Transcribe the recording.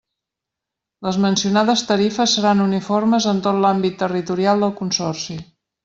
Les mencionades tarifes seran uniformes en tot l'àmbit territorial del Consorci.